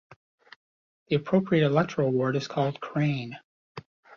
The appropriate electoral ward is called 'Crane'.